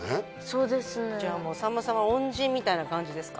そうですねじゃあもうさんまさんは恩人みたいな感じですか？